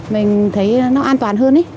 mình thấy nó an toàn hơn